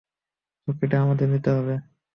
ঝুঁকিটা আমাদের নিতেই হবে!